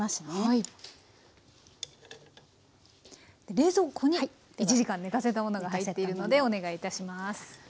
冷蔵庫に１時間寝かせたものが入っているのでお願いいたします。